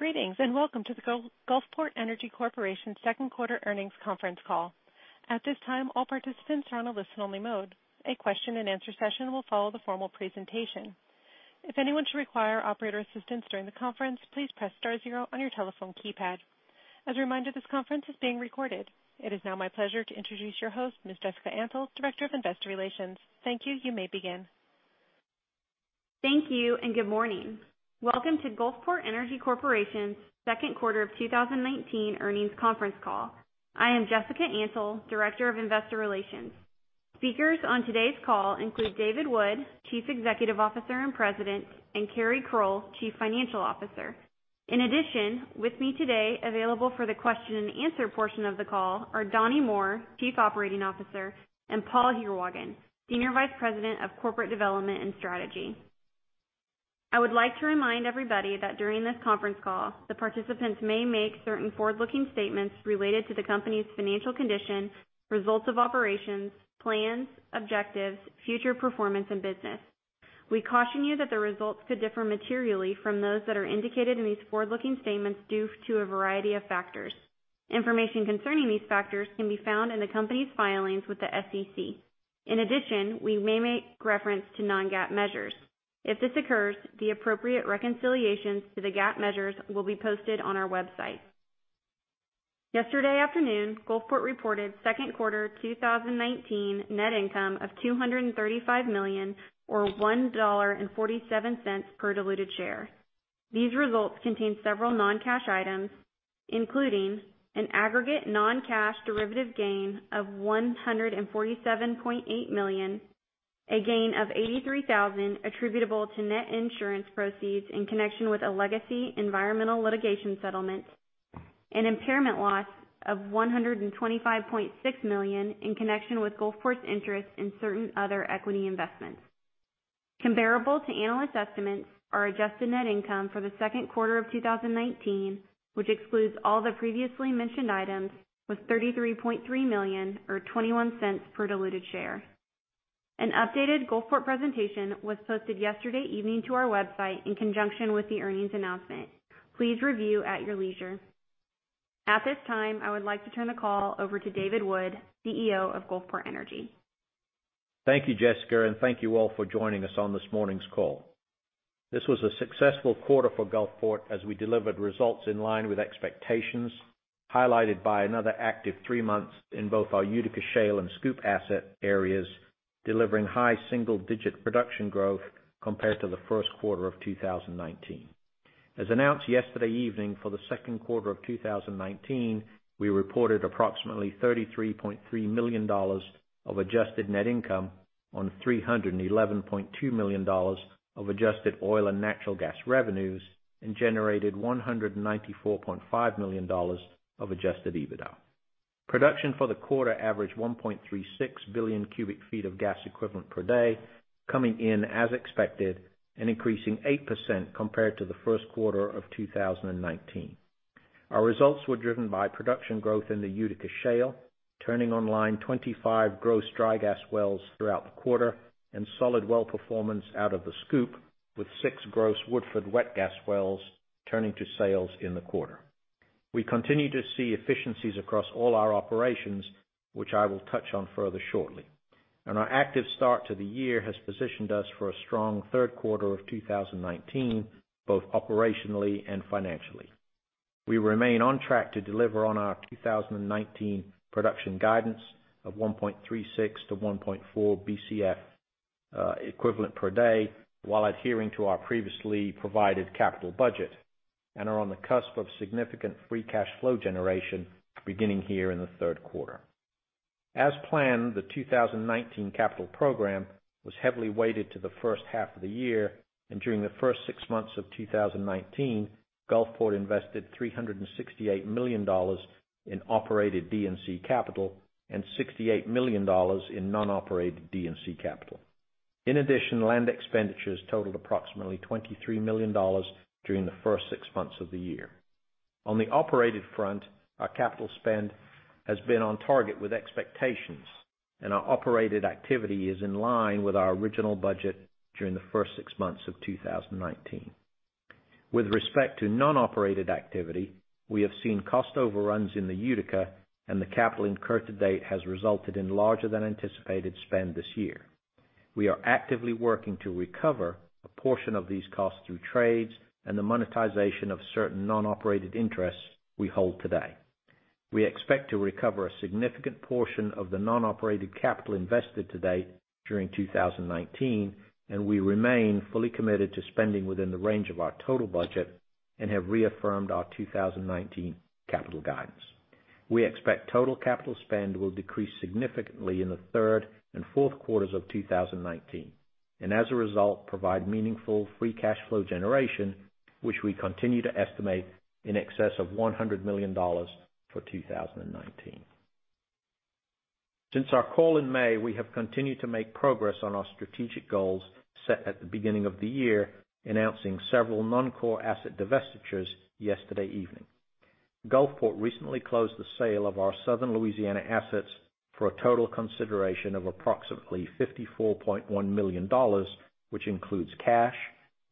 Greetings, and welcome to the Gulfport Energy Corporation second quarter earnings conference call. At this time, all participants are on a listen-only mode. A question and answer session will follow the formal presentation. If anyone should require operator assistance during the conference, please press star zero on your telephone keypad. As a reminder, this conference is being recorded. It is now my pleasure to introduce your host, Ms. Jessica Antle, Director of Investor Relations. Thank you. You may begin. Thank you, and good morning. Welcome to Gulfport Energy Corporation's second quarter of 2019 earnings conference call. I am Jessica Antle, Director of Investor Relations. Speakers on today's call include David Wood, Chief Executive Officer and President, and Keri Crowell, Chief Financial Officer. In addition, with me today, available for the question and answer portion of the call, are Donnie Moore, Chief Operating Officer, and Paul Heerwagen, Senior Vice President of Corporate Development and Strategy. I would like to remind everybody that during this conference call, the participants may make certain forward-looking statements related to the company's financial condition, results of operations, plans, objectives, future performance, and business. We caution you that the results could differ materially from those that are indicated in these forward-looking statements due to a variety of factors. Information concerning these factors can be found in the company's filings with the SEC. In addition, we may make reference to non-GAAP measures. If this occurs, the appropriate reconciliations to the GAAP measures will be posted on our website. Yesterday afternoon, Gulfport reported second quarter 2019 net income of $235 million, or $1.47 per diluted share. These results contain several non-cash items, including an aggregate non-cash derivative gain of $147.8 million, a gain of $83,000 attributable to net insurance proceeds in connection with a legacy environmental litigation settlement, an impairment loss of $125.6 million in connection with Gulfport's interest in certain other equity investments. Comparable to analyst estimates, our adjusted net income for the second quarter of 2019, which excludes all the previously mentioned items, was $33.3 million, or $0.21 per diluted share. An updated Gulfport presentation was posted yesterday evening to our website in conjunction with the earnings announcement. Please review at your leisure. At this time, I would like to turn the call over to David Wood, CEO of Gulfport Energy. Thank you, Jessica Antle, and thank you all for joining us on this morning's call. This was a successful quarter for Gulfport as we delivered results in line with expectations, highlighted by another active three months in both our Utica Shale and Scoop asset areas, delivering high single-digit production growth compared to the first quarter of 2019. As announced yesterday evening, for the second quarter of 2019, we reported approximately $33.3 million of adjusted net income on $311.2 million of adjusted oil and natural gas revenues and generated $194.5 million of adjusted EBITDA. Production for the quarter averaged 1.36 billion cubic feet of gas equivalent per day, coming in as expected and increasing 8% compared to the first quarter of 2019. Our results were driven by production growth in the Utica Shale, turning online 25 gross dry gas wells throughout the quarter, and solid well performance out of the Scoop, with six gross Woodford wet gas wells turning to sales in the quarter. We continue to see efficiencies across all our operations, which I will touch on further shortly. Our active start to the year has positioned us for a strong third quarter of 2019, both operationally and financially. We remain on track to deliver on our 2019 production guidance of 1.36 BCF equivalent per day-1.4 BCF equivalent per day while adhering to our previously provided capital budget and are on the cusp of significant free cash flow generation beginning here in the third quarter. As planned, the 2019 capital program was heavily weighted to the first half of the year, and during the first six months of 2019, Gulfport invested $368 million in operated D & C capital and $68 million in non-operated D & C capital. In addition, land expenditures totaled approximately $23 million during the first six months of the year. On the operated front, our capital spend has been on target with expectations, and our operated activity is in line with our original budget during the first six months of 2019. With respect to non-operated activity, we have seen cost overruns in the Utica, and the capital incurred to date has resulted in larger than anticipated spend this year. We are actively working to recover a portion of these costs through trades and the monetization of certain non-operated interests we hold today. We expect to recover a significant portion of the non-operated capital invested to date during 2019, and we remain fully committed to spending within the range of our total budget and have reaffirmed our 2019 capital guidance. We expect total capital spend will decrease significantly in the third and fourth quarters of 2019, and as a result, provide meaningful free cash flow generation, which we continue to estimate in excess of $100 million for 2019. Since our call in May, we have continued to make progress on our strategic goals set at the beginning of the year, announcing several non-core asset divestitures yesterday evening. Gulfport recently closed the sale of our Southern Louisiana assets for a total consideration of approximately $54.1 million, which includes cash,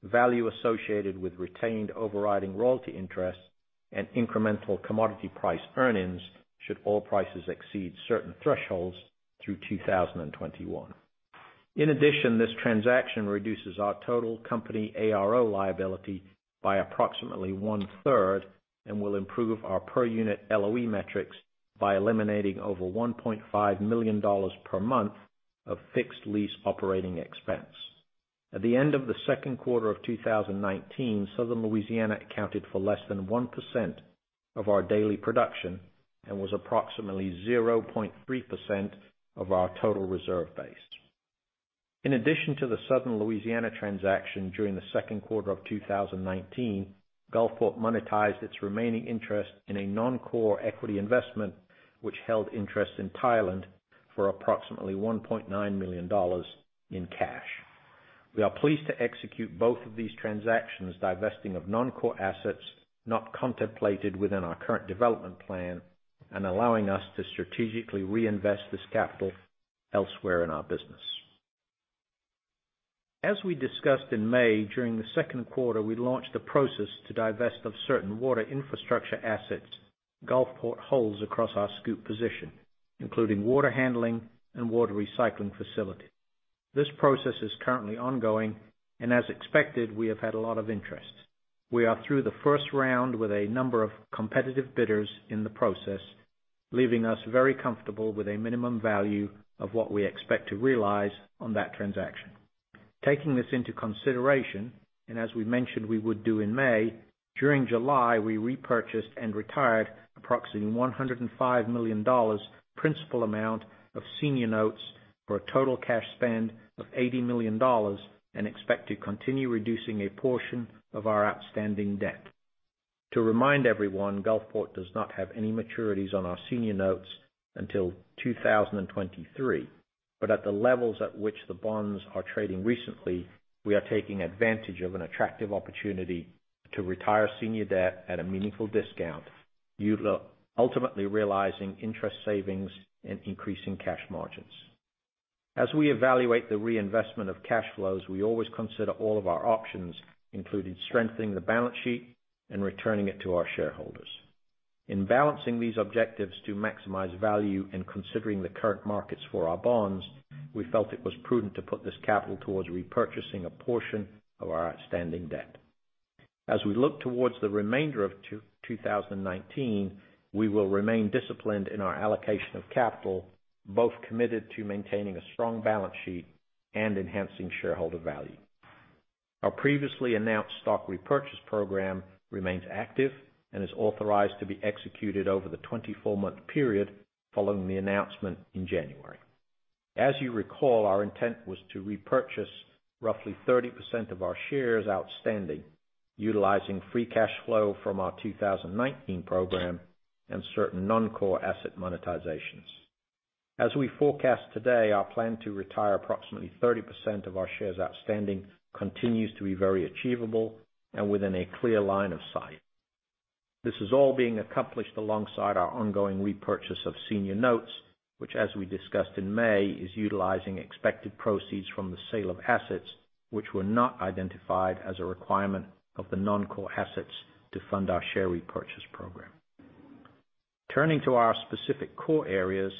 value associated with retained overriding royalty interest, and incremental commodity price earnings should oil prices exceed certain thresholds through 2021. In addition, this transaction reduces our total company ARO liability by approximately one-third and will improve our per-unit LOE metrics by eliminating over $1.5 million per month of fixed lease operating expense. At the end of the second quarter of 2019, Southern Louisiana accounted for less than 1% of our daily production and was approximately 0.3% of our total reserve base. In addition to the Southern Louisiana transaction during the second quarter of 2019, Gulfport monetized its remaining interest in a non-core equity investment, which held interest in Thailand for approximately $1.9 million in cash. We are pleased to execute both of these transactions, divesting of non-core assets not contemplated within our current development plan and allowing us to strategically reinvest this capital elsewhere in our business. As we discussed in May, during the second quarter, we launched a process to divest of certain water infrastructure assets Gulfport holds across our SCOOP position, including water handling and water recycling facility. This process is currently ongoing, as expected, we have had a lot of interest. We are through the first round with a number of competitive bidders in the process, leaving us very comfortable with a minimum value of what we expect to realize on that transaction. Taking this into consideration, as we mentioned we would do in May, during July, we repurchased and retired approximately $105 million principal amount of senior notes for a total cash spend of $80 million and expect to continue reducing a portion of our outstanding debt. To remind everyone, Gulfport does not have any maturities on our senior notes until 2023, but at the levels at which the bonds are trading recently, we are taking advantage of an attractive opportunity to retire senior debt at a meaningful discount, ultimately realizing interest savings and increasing cash margins. As we evaluate the reinvestment of cash flows, we always consider all of our options, including strengthening the balance sheet and returning it to our shareholders. In balancing these objectives to maximize value and considering the current markets for our bonds, we felt it was prudent to put this capital towards repurchasing a portion of our outstanding debt. As we look towards the remainder of 2019, we will remain disciplined in our allocation of capital, both committed to maintaining a strong balance sheet and enhancing shareholder value. Our previously announced Stock Repurchase Program remains active and is authorized to be executed over the 24-month period following the announcement in January. As you recall, our intent was to repurchase roughly 30% of our shares outstanding, utilizing free cash flow from our 2019 program and certain non-core asset monetizations. As we forecast today, our plan to retire approximately 30% of our shares outstanding continues to be very achievable and within a clear line of sight. This is all being accomplished alongside our ongoing repurchase of senior notes, which as we discussed in May, is utilizing expected proceeds from the sale of assets which were not identified as a requirement of the non-core assets to fund our Share Repurchase Program. Turning to our specific core areas,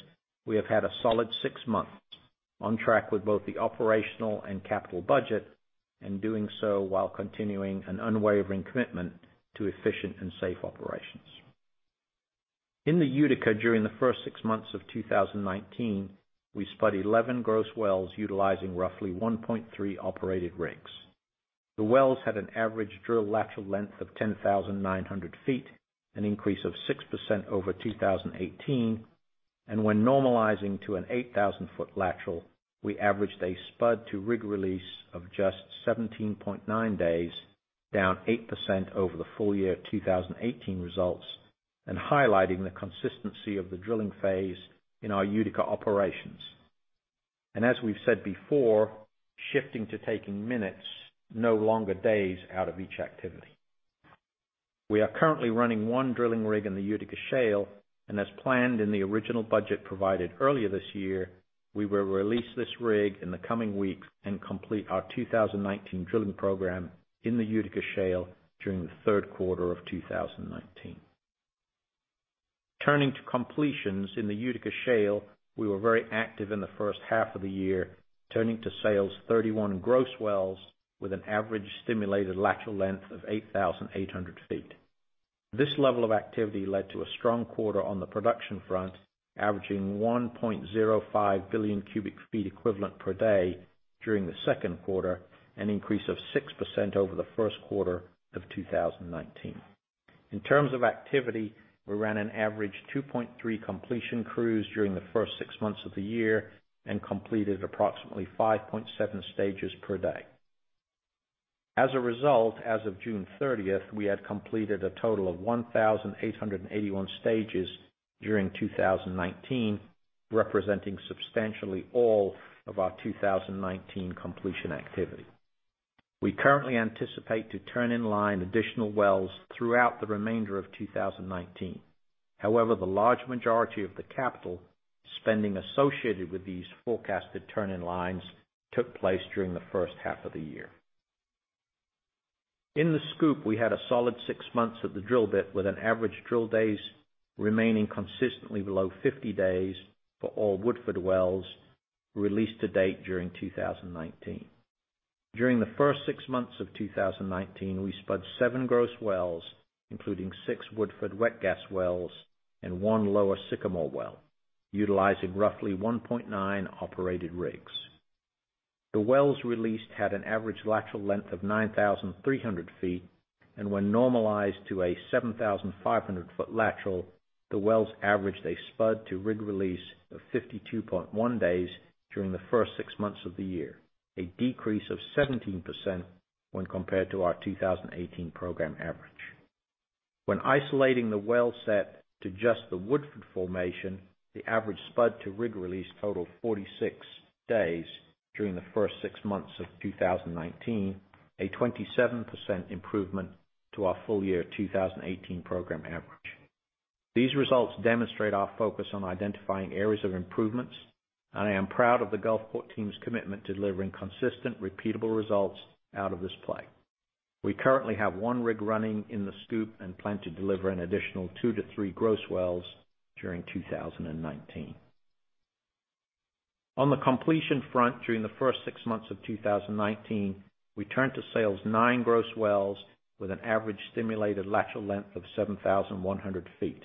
we have had a solid six months on track with both the operational and capital budget and doing so while continuing an unwavering commitment to efficient and safe operations. In the Utica during the first six months of 2019, we spud 11 gross wells utilizing roughly 1.3 operated rigs. The wells had an average drill lateral length of 10,900 feet, an increase of 6% over 2018. When normalizing to an 8,000-foot lateral, we averaged a spud to rig release of just 17.9 days, down 8% over the full year 2018 results, and highlighting the consistency of the drilling phase in our Utica operations. As we've said before, shifting to taking minutes, no longer days, out of each activity. We are currently running one drilling rig in the Utica shale. As planned in the original budget provided earlier this year, we will release this rig in the coming weeks and complete our 2019 drilling program in the Utica shale during the third quarter of 2019. Turning to completions in the Utica shale, we were very active in the first half of the year, turning to sales 31 gross wells with an average stimulated lateral length of 8,800 feet. This level of activity led to a strong quarter on the production front, averaging 1.05 billion cubic feet equivalent per day during the second quarter, an increase of 6% over the first quarter of 2019. In terms of activity, we ran an average 2.3 completion crews during the first six months of the year and completed approximately 5.7 stages per day. As a result, as of June 30th, we had completed a total of 1,881 stages during 2019, representing substantially all of our 2019 completion activity. We currently anticipate to turn in line additional wells throughout the remainder of 2019. However, the large majority of the capital spending associated with these forecasted turn-in-lines took place during the first half of the year. In the Scoop, we had a solid six months at the drill bit, with an average drill days remaining consistently below 50 days for all Woodford wells released to date during 2019. During the first six months of 2019, we spudded seven gross wells, including six Woodford wet gas wells and one Lower Sycamore well, utilizing roughly 1.9 operated rigs. The wells released had an average lateral length of 9,300 feet, and when normalized to a 7,500-foot lateral, the wells averaged a spud-to-rig release of 52.1 days during the first six months of the year, a decrease of 17% when compared to our 2018 program average. When isolating the well set to just the Woodford formation, the average spud-to-rig release totaled 46 days during the first six months of 2019, a 27% improvement to our full-year 2018 program average. These results demonstrate our focus on identifying areas of improvements. I am proud of the Gulfport team's commitment to delivering consistent, repeatable results out of this play. We currently have one rig running in the Scoop and plan to deliver an additional two to three gross wells during 2019. On the completion front, during the first six months of 2019, we turned to sales nine gross wells with an average stimulated lateral length of 7,100 feet.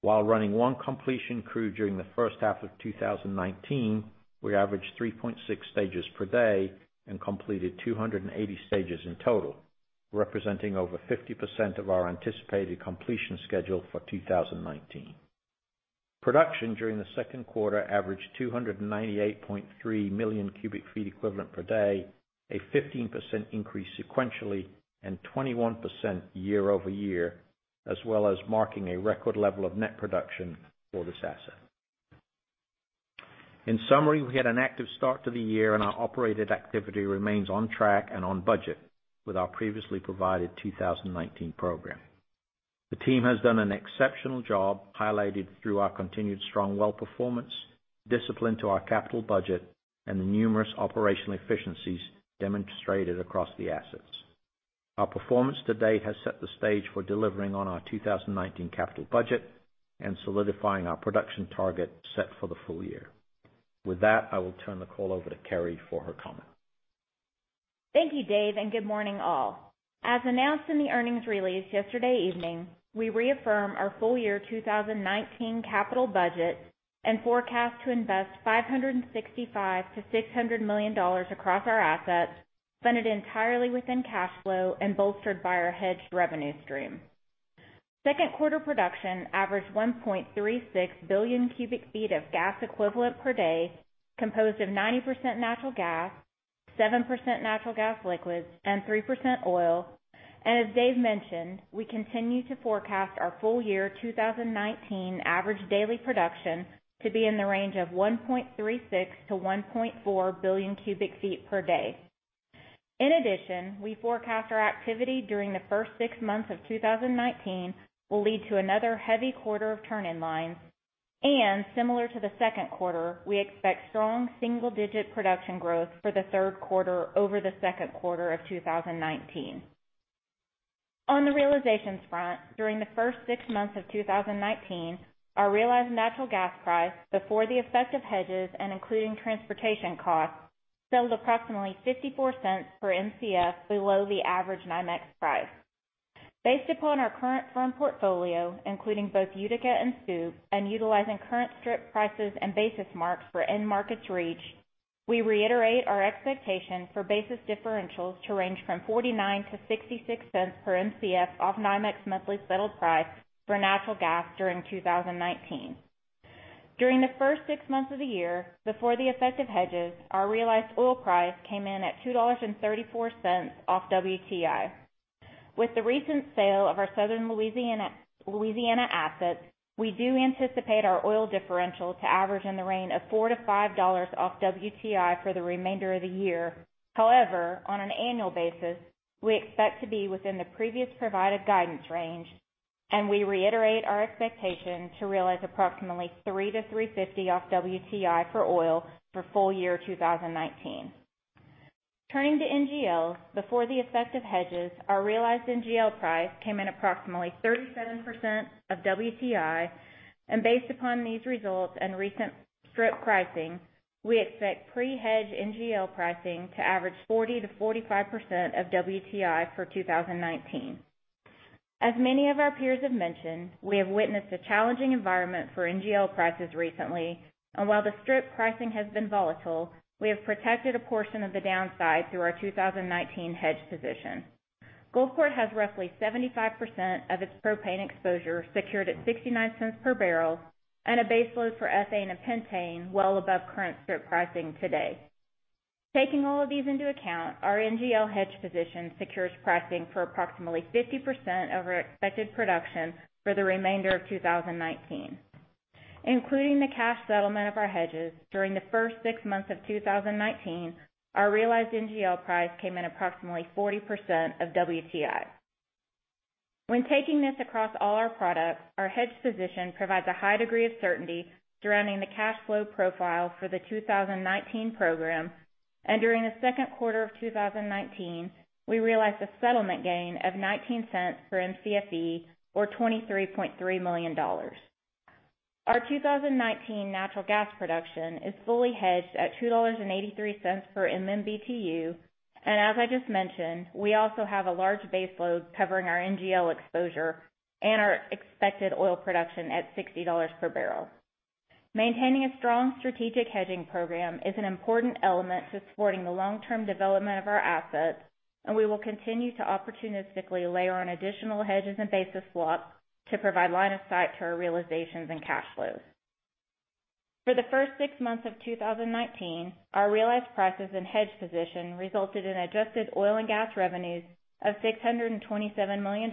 While running one completion crew during the first half of 2019, we averaged 3.6 stages per day and completed 280 stages in total, representing over 50% of our anticipated completion schedule for 2019. Production during the second quarter averaged 298.3 million cubic feet equivalent per day, a 15% increase sequentially, and 21% year-over-year, as well as marking a record level of net production for this asset. In summary, we had an active start to the year, and our operated activity remains on track and on budget with our previously provided 2019 program. The team has done an exceptional job, highlighted through our continued strong well performance, discipline to our capital budget, and the numerous operational efficiencies demonstrated across the assets. Our performance to date has set the stage for delivering on our 2019 capital budget and solidifying our production target set for the full year. With that, I will turn the call over to Keri for her comment. Thank you, Dave. Good morning, all. As announced in the earnings release yesterday evening, we reaffirm our full-year 2019 capital budget and forecast to invest $565 million-$600 million across our assets, funded entirely within cash flow and bolstered by our hedged revenue stream. Second quarter production averaged 1.36 billion cubic feet of gas equivalent per day, composed of 90% natural gas, 7% natural gas liquids, and 3% oil. As Dave mentioned, we continue to forecast our full-year 2019 average daily production to be in the range of 1.36 billion cubic feet per day-1.4 billion cubic feet per day. In addition, we forecast our activity during the first six months of 2019 will lead to another heavy quarter of turn-in-lines, and similar to the second quarter, we expect strong single-digit production growth for the third quarter over the second quarter of 2019. On the realizations front, during the first six months of 2019, our realized natural gas price before the effective hedges and including transportation costs settled approximately $0.54 per Mcf below the average NYMEX price. Based upon our current firm portfolio, including both Utica and Scoop, and utilizing current strip prices and basis marks for end markets reached, we reiterate our expectation for basis differentials to range from $0.49-$0.66 per Mcf off NYMEX monthly settled price for natural gas during 2019. During the first six months of the year, before the effective hedges, our realized oil price came in at $2.34 off WTI. With the recent sale of our Southern Louisiana assets, we do anticipate our oil differential to average in the range of $4-$5 off WTI for the remainder of the year. On an annual basis, we expect to be within the previous provided guidance range, and we reiterate our expectation to realize approximately $3 to $3.50 off WTI for oil for full year 2019. Turning to NGLs, before the effective hedges, our realized NGL price came in approximately 37% of WTI, and based upon these results and recent strip pricing, we expect pre-hedge NGL pricing to average 40%-45% of WTI for 2019. As many of our peers have mentioned, we have witnessed a challenging environment for NGL prices recently, and while the strip pricing has been volatile, we have protected a portion of the downside through our 2019 hedge position. Gulfport has roughly 75% of its propane exposure secured at $0.69 per barrel and a base load for ethane and pentane well above current strip pricing today. Taking all of these into account, our NGL hedge position secures pricing for approximately 50% of our expected production for the remainder of 2019. Including the cash settlement of our hedges during the first six months of 2019, our realized NGL price came in approximately 40% of WTI. When taking this across all our products, our hedged position provides a high degree of certainty surrounding the cash flow profile for the 2019 program, and during the second quarter of 2019, we realized a settlement gain of $0.19 for MCFE, or $23.3 million. Our 2019 natural gas production is fully hedged at $2.83 per MMBtu, and as I just mentioned, we also have a large base load covering our NGL exposure and our expected oil production at $60 per barrel. Maintaining a strong strategic hedging program is an important element to supporting the long-term development of our assets, and we will continue to opportunistically layer on additional hedges and basis swaps to provide line of sight to our realizations and cash flows. For the first 6 months of 2019, our realized prices and hedged position resulted in adjusted oil and gas revenues of $627 million,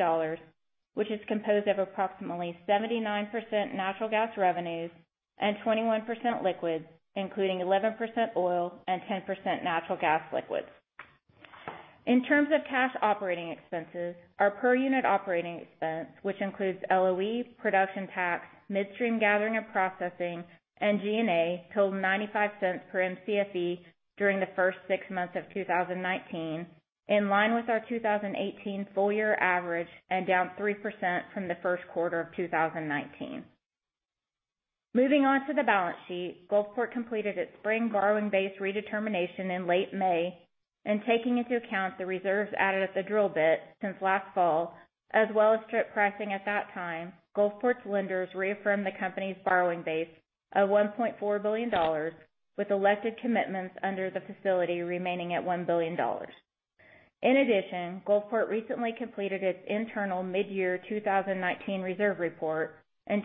which is composed of approximately 79% natural gas revenues and 21% liquids, including 11% oil and 10% natural gas liquids. In terms of cash operating expenses, our per unit operating expense, which includes LOE, production tax, midstream gathering and processing, and G&A, totaled $0.95 per MCFE during the first 6 months of 2019, in line with our 2018 full-year average and down 3% from the first quarter of 2019. Moving on to the balance sheet, Gulfport completed its spring borrowing base redetermination in late May, and taking into account the reserves added at the drill bit since last fall, as well as strip pricing at that time, Gulfport's lenders reaffirmed the company's borrowing base of $1.4 billion, with elected commitments under the facility remaining at $1 billion. In addition, Gulfport recently completed its internal mid-year 2019 reserve report.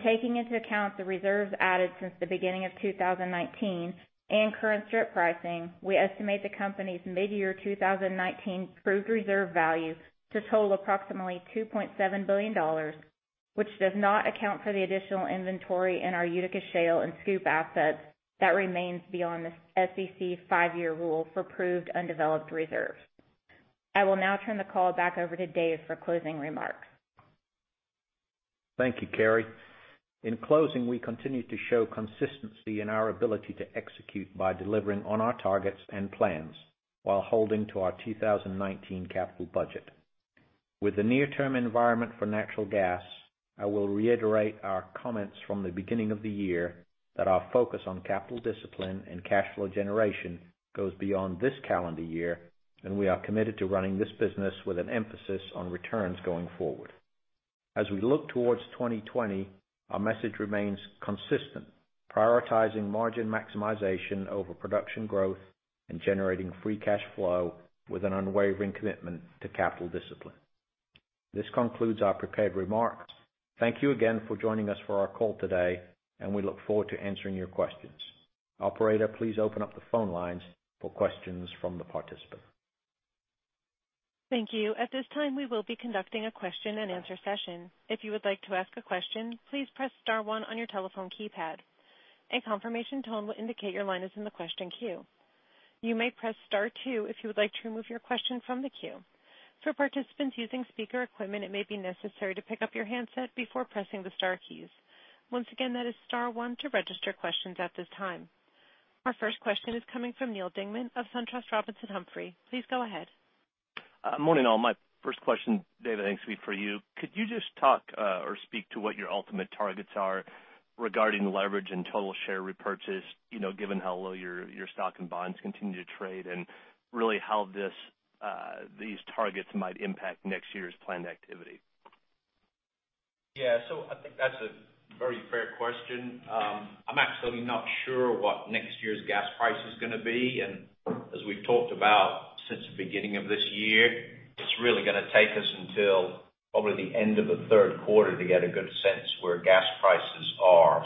Taking into account the reserves added since the beginning of 2019 and current strip pricing, we estimate the company's mid-year 2019 proved reserve value to total approximately $2.7 billion, which does not account for the additional inventory in our Utica Shale and SCOOP assets that remains beyond the SEC five-year rule for proved undeveloped reserves. I will now turn the call back over to Dave for closing remarks. Thank you, Keri. In closing, we continue to show consistency in our ability to execute by delivering on our targets and plans while holding to our 2019 capital budget. With the near-term environment for natural gas, I will reiterate our comments from the beginning of the year that our focus on capital discipline and cash flow generation goes beyond this calendar year, and we are committed to running this business with an emphasis on returns going forward. As we look towards 2020, our message remains consistent, prioritizing margin maximization over production growth and generating free cash flow with an unwavering commitment to capital discipline. This concludes our prepared remarks. Thank you again for joining us for our call today, and we look forward to answering your questions. Operator, please open up the phone lines for questions from the participants. Thank you. At this time, we will be conducting a question and answer session. If you would like to ask a question, please press star one on your telephone keypad. A confirmation tone will indicate your line is in the question queue. You may press star two if you would like to remove your question from the queue. For participants using speaker equipment, it may be necessary to pick up your handset before pressing the star keys. Once again, that is star one to register questions at this time. Our first question is coming from Neal Dingmann of SunTrust Robinson Humphrey. Please go ahead. Morning, all. My first question, Dave, I think it's for you. Could you just talk or speak to what your ultimate targets are regarding leverage and total share repurchase, given how low your stock and bonds continue to trade, and really how these targets might impact next year's planned activity? Yeah. I think that's a very fair question. I'm absolutely not sure what next year's gas price is going to be. As we've talked about since the beginning of this year, it's really going to take us until probably the end of the third quarter to get a good sense where gas prices are.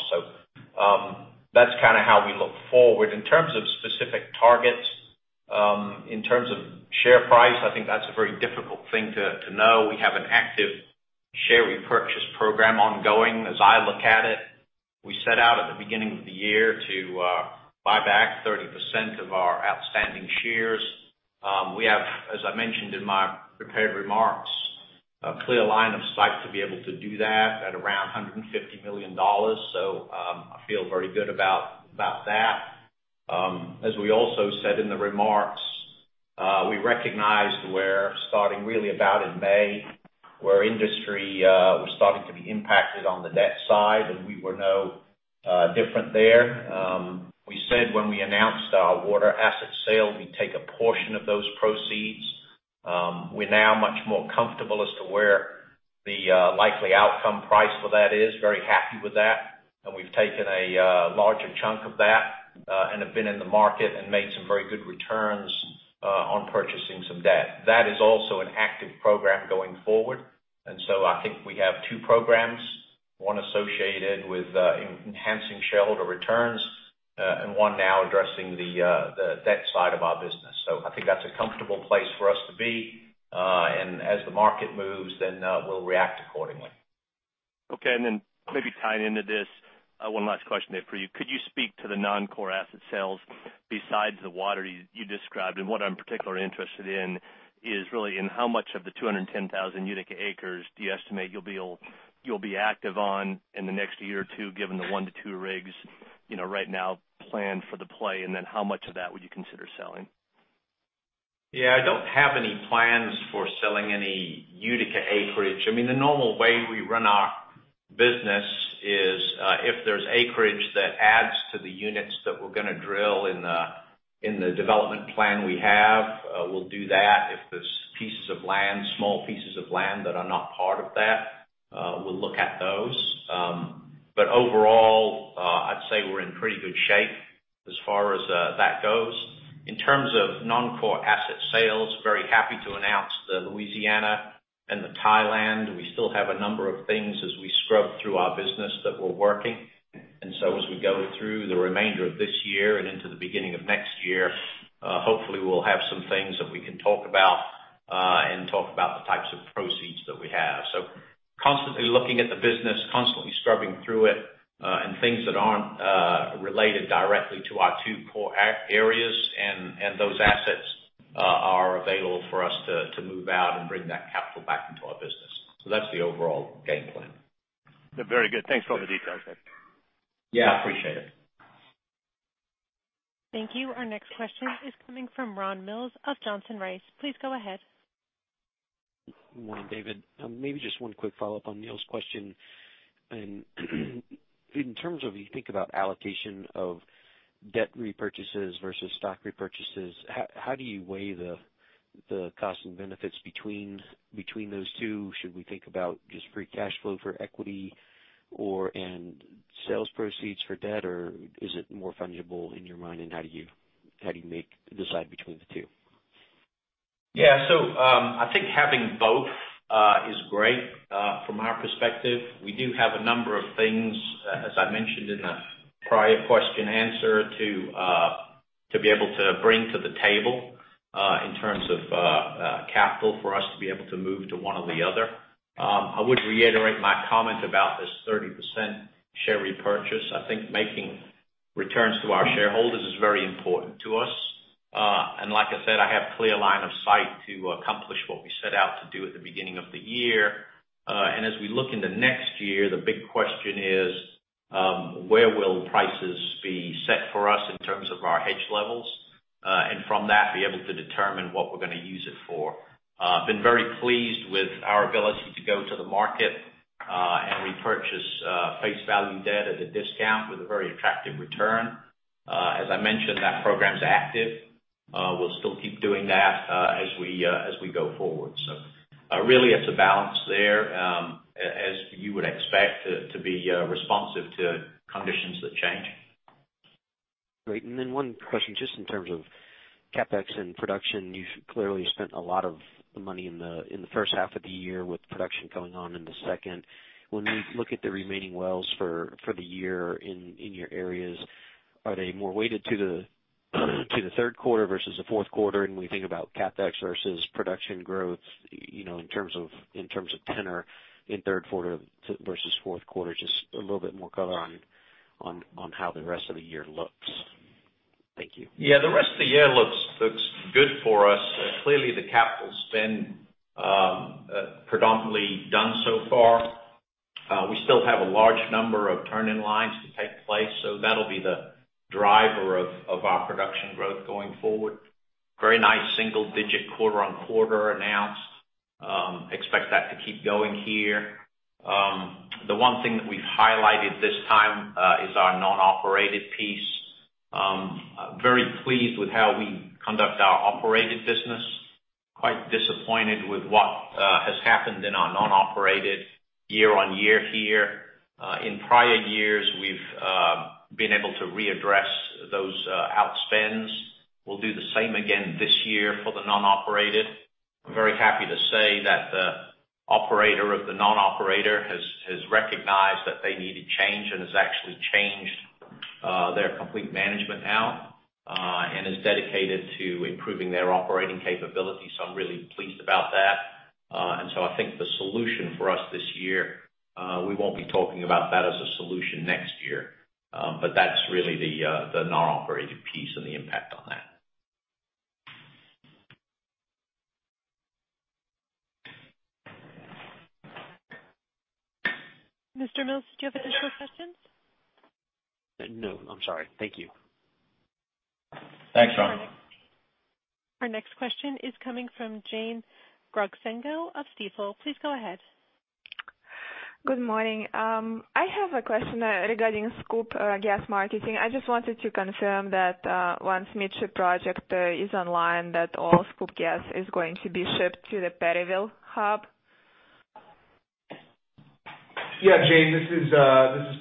That's kind of how we look forward. In terms of specific targets, in terms of share price, I think that's a very difficult thing to know. We have an active share repurchase program ongoing. As I look at it, we set out at the beginning of the year to buy back 30% of our outstanding shares. We have, as I mentioned in my prepared remarks, a clear line of sight to be able to do that at around $150 million. I feel very good about that. As we also said in the remarks, we recognized where starting really about in May, where industry was starting to be impacted on the debt side, and we were no different there. We said when we announced our water asset sale, we'd take a portion of those proceeds. We're now much more comfortable as to where the likely outcome price for that is. Very happy with that, and we've taken a larger chunk of that and have been in the market and made some very good returns on purchasing some debt. That is also an active program going forward. I think we have two programs, one associated with enhancing shareholder returns. One now addressing the debt side of our business. I think that's a comfortable place for us to be. As the market moves, then we'll react accordingly. Okay. Then maybe tying into this, one last question there for you. Could you speak to the non-core asset sales besides the water you described? What I'm particularly interested in is really in how much of the 210,000 Utica acres do you estimate you'll be active on in the next year or two, given the one to two rigs right now planned for the play? Then how much of that would you consider selling? Yeah, I don't have any plans for selling any Utica acreage. I mean, the normal way we run our business is if there's acreage that adds to the units that we're going to drill in the development plan we have, we'll do that. If there's pieces of land, small pieces of land that are not part of that, we'll look at those. Overall, I'd say we're in pretty good shape as far as that goes. In terms of non-core asset sales, very happy to announce the Louisiana and the Thailand. We still have a number of things as we scrub through our business that we're working. As we go through the remainder of this year and into the beginning of next year, hopefully we'll have some things that we can talk about, and talk about the types of proceeds that we have. Constantly looking at the business, constantly scrubbing through it, and things that aren't related directly to our two core areas, and those assets are available for us to move out and bring that capital back into our business. That's the overall game plan. Very good. Thanks for all the details. Yeah, appreciate it. Thank you. Our next question is coming from Ron Mills of Johnson Rice. Please go ahead. Good morning, David. Maybe just one quick follow-up on Neal's question. In terms of you think about allocation of debt repurchases versus stock repurchases, how do you weigh the cost and benefits between those two? Should we think about just free cash flow for equity or, and sales proceeds for debt? Or is it more fungible in your mind? How do you decide between the two? Yeah. I think having both is great from our perspective. We do have a number of things, as I mentioned in the prior question answer, to be able to bring to the table, in terms of capital for us to be able to move to one or the other. I would reiterate my comment about this 30% share repurchase. I think making returns to our shareholders is very important to us. Like I said, I have clear line of sight to accomplish what we set out to do at the beginning of the year. As we look into next year, the big question is: where will prices be set for us in terms of our hedge levels? From that, be able to determine what we're going to use it for. Been very pleased with our ability to go to the market, and repurchase face value debt at a discount with a very attractive return. As I mentioned, that program is active. We'll still keep doing that as we go forward. Really it's a balance there, as you would expect to be responsive to conditions that change. Great. Then one question just in terms of CapEx and production. You clearly spent a lot of the money in the first half of the year with production going on in the second. When we look at the remaining wells for the year in your areas, are they more weighted to the third quarter versus the fourth quarter? We think about CapEx versus production growth in terms of tenure in third quarter versus fourth quarter. Just a little bit more color on how the rest of the year looks. Thank you. Yeah, the rest of the year looks good for us. Clearly the capital spend predominantly done so far. We still have a large number of turn-in lines to take place. That'll be the driver of our production growth going forward. Very nice single digit quarter-on-quarter announced. Expect that to keep going here. The one thing that we've highlighted this time is our non-operated piece. Very pleased with how we conduct our operated business. Quite disappointed with what has happened in our non-operated year-on-year here. In prior years, we've been able to readdress those outspends. We'll do the same again this year for the non-operated. I'm very happy to say that the operator of the non-operator has recognized that they needed change and has actually changed their complete management now. Is dedicated to improving their operating capabilities. I'm really pleased about that. I think the solution for us this year, we won't be talking about that as a solution next year. That's really the non-operated piece and the impact on that. Mr. Mills, do you have additional questions? No, I'm sorry. Thank you. Thanks, Ron. Our next question is coming from Jane Trotsenko of Stifel. Please go ahead. Good morning. I have a question regarding SCOOP gas marketing. I just wanted to confirm that once Midship project is online, that all SCOOP gas is going to be shipped to the Perryville hub. Yeah, Jane, this is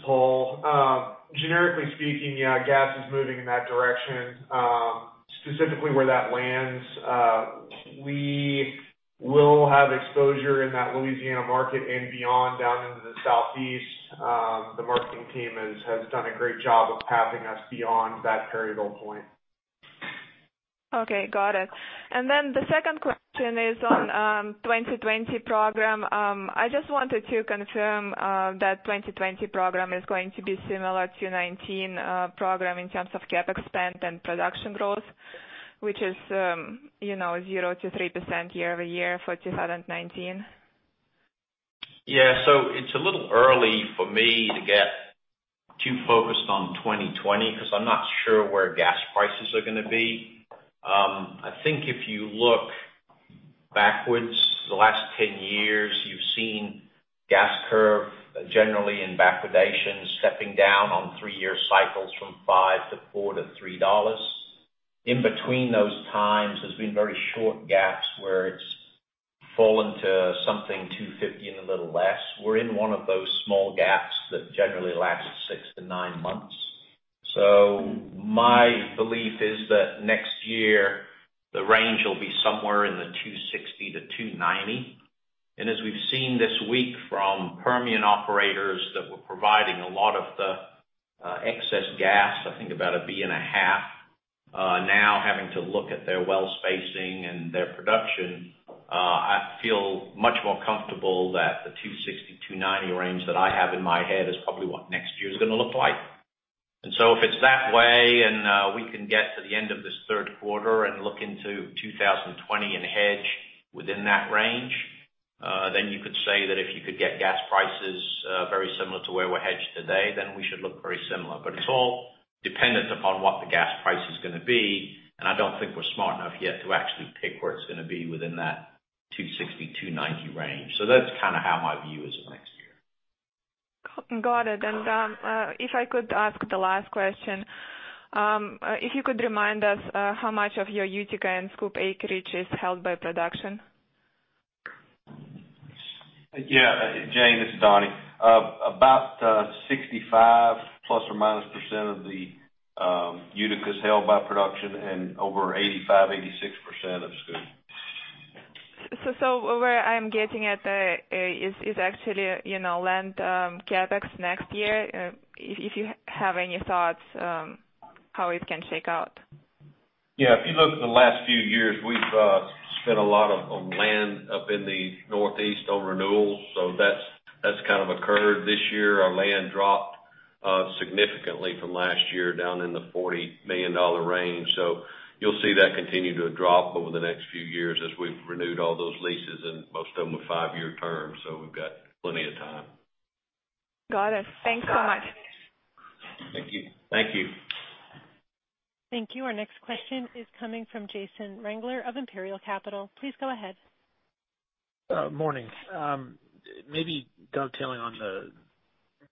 Paul. Generically speaking, gas is moving in that direction. Specifically where that lands, we will have exposure in that Louisiana market and beyond down into the Southeast. The marketing team has done a great job of having us beyond that Perryville point. Okay. Got it. The second question is on 2020 program. I just wanted to confirm that 2020 program is going to be similar to 2019 program in terms of CapEx spend and production growth, which is 0%-3% year-over-year for 2019. It's a little early for me to get too focused on 2020, because I'm not sure where gas prices are going to be. I think if you look backwards the last 10 years, you've seen gas curve generally in backwardation stepping down on three-year cycles from $5 to $4 to $3. In between those times, there's been very short gaps where it's fallen to something $2.50 and a little less. We're in one of those small gaps that generally last six to nine months. My belief is that next year the range will be somewhere in the $2.60 to $2.90. As we've seen this week from Permian operators that were providing a lot of the excess gas, I think about a Bcf and a half, now having to look at their well spacing and their production, I feel much more comfortable that the $2.60-$2.90 range that I have in my head is probably what next year is going to look like. If it's that way and we can get to the end of this third quarter and look into 2020 and hedge within that range, then you could say that if you could get gas prices very similar to where we're hedged today, then we should look very similar. It's all dependent upon what the gas price is going to be, and I don't think we're smart enough yet to actually pick where it's going to be within that $2.60-$2.90 range. That's kind of how my view is of next year. Got it. If I could ask the last question, if you could remind us how much of your Utica and SCOOP acreage is held by production? Yeah. Jane, this is Donnie. About 65 ±% of the Utica is held by production and over 85%, 86% of SCOOP. Where I'm getting at is actually land CapEx next year. If you have any thoughts how it can shake out. Yeah. If you look at the last few years, we've spent a lot on land up in the Northeast on renewals, so that's kind of occurred this year. Our land dropped significantly from last year down in the $40 million range. You'll see that continue to drop over the next few years as we've renewed all those leases, and most of them are five-year terms, so we've got plenty of time. Got it. Thanks so much. Thank you. Thank you. Thank you. Our next question is coming from Jason Wangler of Imperial Capital. Please go ahead. Morning. Maybe dovetailing on the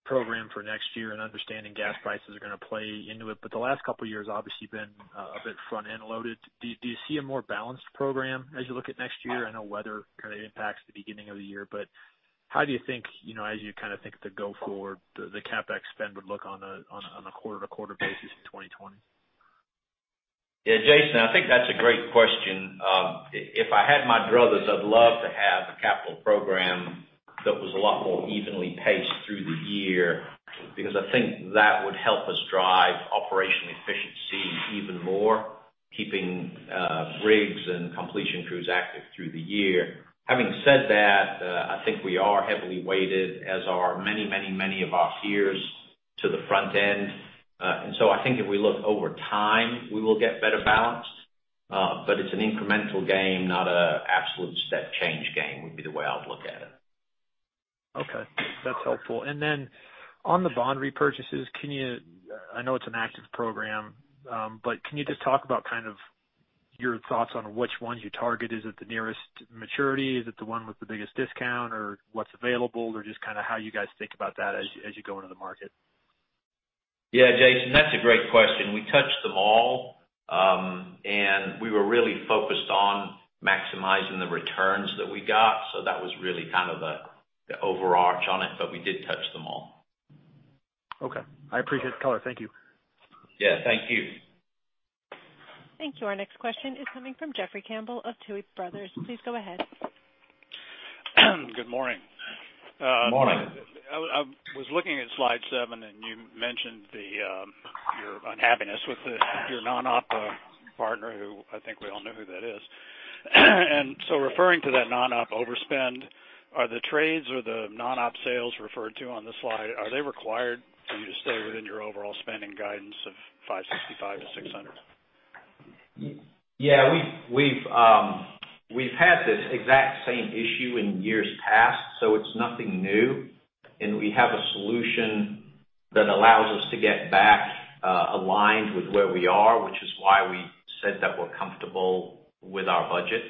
program for next year and understanding gas prices are going to play into it, but the last couple of years obviously been a bit front-end loaded. Do you see a more balanced program as you look at next year? I know weather kind of impacts the beginning of the year, but how do you think as you kind of think the go forward, the CapEx spend would look on a quarter-to-quarter basis in 2020? Yeah, Jason, I think that's a great question. If I had my druthers, I'd love to have a capital program that was a lot more evenly paced through the year because I think that would help us drive operational efficiency even more, keeping rigs and completion crews active through the year. Having said that, I think we are heavily weighted, as are many of our peers to the front end. I think if we look over time, we will get better balanced. It's an incremental game, not an absolute step change game, would be the way I would look at it. Okay. That's helpful. On the bond repurchases, I know it's an active program, but can you just talk about kind of your thoughts on which ones you target? Is it the nearest maturity? Is it the one with the biggest discount or what's available? Just how you guys think about that as you go into the market? Yeah, Jason, that's a great question. We touched them all, and we were really focused on maximizing the returns that we got. That was really kind of the overarch on it, but we did touch them all. Okay. I appreciate the color. Thank you. Yeah. Thank you. Thank you. Our next question is coming from Jeffrey Campbell of Tuohy Brothers. Please go ahead. Good morning. Morning. I was looking at slide seven, you mentioned your unhappiness with your non-op partner, who I think we all know who that is. Referring to that non-op overspend, are the trades or the non-op sales referred to on this slide, are they required for you to stay within your overall spending guidance of $565-$600? Yeah. We've had this exact same issue in years past, so it's nothing new. We have a solution that allows us to get back aligned with where we are, which is why we said that we're comfortable with our budget.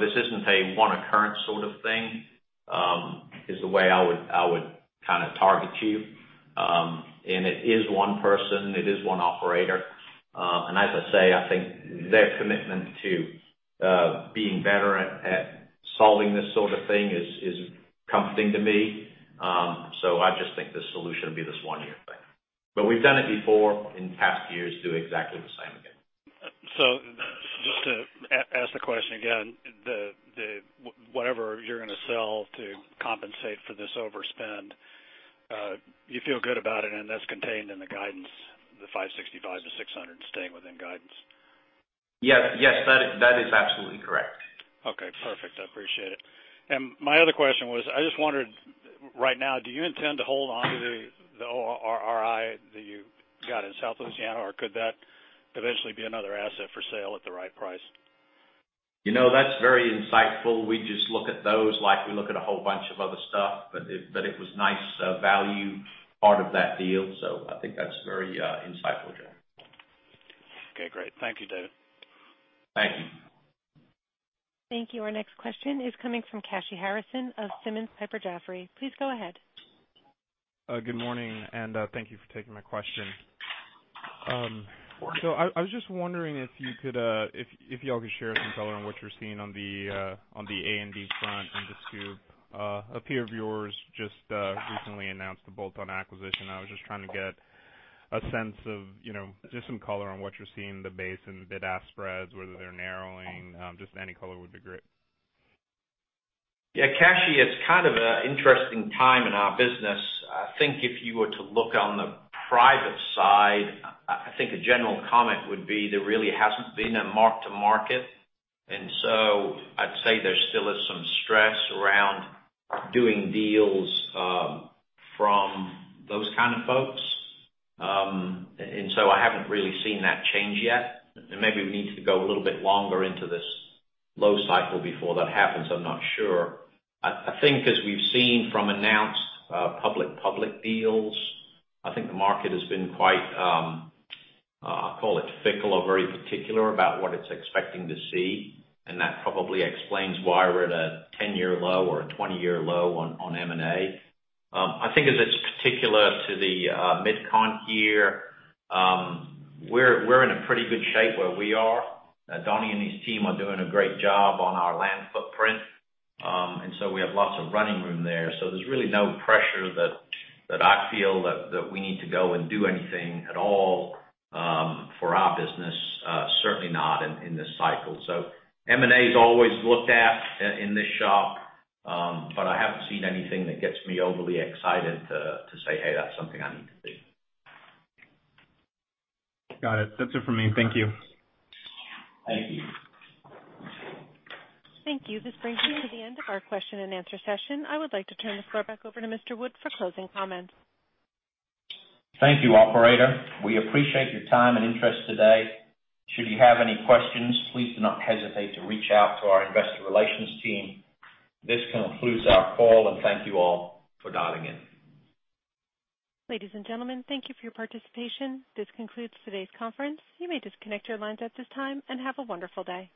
This isn't a one occurrence sort of thing, is the way I would kind of target to you. It is one person, it is one operator. As I say, I think their commitment to being better at solving this sort of thing is comforting to me. I just think the solution will be this one-year thing. We've done it before in past years, do exactly the same again. Just to ask the question again, whatever you're going to sell to compensate for this overspend, you feel good about it, and that's contained in the guidance, the 565-600 staying within guidance? Yes. That is absolutely correct. Okay, perfect. I appreciate it. My other question was, I just wondered, right now, do you intend to hold onto the ORRI that you got in South Louisiana, or could that eventually be another asset for sale at the right price? That's very insightful. We just look at those, like we look at a whole bunch of other stuff, but it was nice value part of that deal, I think that's very insightful, Jeff. Okay, great. Thank you, David. Thank you. Thank you. Our next question is coming from Kashy Harrison of Simmons Piper Jaffray. Please go ahead. Good morning. Thank you for taking my question. I was just wondering if y'all could share some color on what you're seeing on the A&D front in the SCOOP. A peer of yours just recently announced a bolt-on acquisition. I was just trying to get a sense of, just some color on what you're seeing, the base and the bid-ask spreads, whether they're narrowing. Just any color would be great. Yeah, Kashy, it's kind of a interesting time in our business. I think if you were to look on the private side, I think a general comment would be there really hasn't been a mark to market. I'd say there still is some stress around doing deals from those kind of folks. I haven't really seen that change yet. Maybe we need to go a little bit longer into this low cycle before that happens. I'm not sure. I think as we've seen from announced public deals, I think the market has been quite, I'll call it fickle or very particular about what it's expecting to see, and that probably explains why we're at a 10-year low or a 20-year low on M&A. I think as it's particular to the MidCon here, we're in a pretty good shape where we are. Donnie and his team are doing a great job on our land footprint. We have lots of running room there. There's really no pressure that I feel that we need to go and do anything at all for our business. Certainly not in this cycle. M&A is always looked at in this shop, but I haven't seen anything that gets me overly excited to say, "Hey, that's something I need to do. Got it. That's it for me. Thank you. Thank you. Thank you. This brings me to the end of our question and answer session. I would like to turn the floor back over to Mr. Wood for closing comments. Thank you, operator. We appreciate your time and interest today. Should you have any questions, please do not hesitate to reach out to our investor relations team. This concludes our call, and thank you all for dialing in. Ladies and gentlemen, thank you for your participation. This concludes today's conference. You may disconnect your lines at this time, and have a wonderful day.